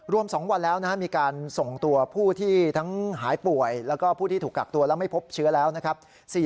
รวม๒วันแล้วมีการส่งตัวผู้ที่ทั้งหายป่วยแล้วก็ผู้ที่ถูกกักตัวแล้วไม่พบเชื้อแล้วนะครับ